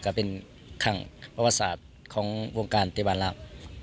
ก็เป็นขั้งปรบัตรศาสตร์ของวงการจีบีนลาว